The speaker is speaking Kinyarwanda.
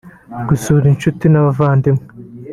gusura inshuti n’abavandimwe